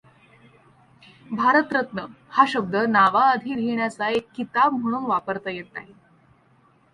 भारतरत्न हा शब्द नावाआधी लिहिण्याचा एक किताब म्हणून वापरता येत नाही.